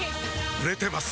売れてます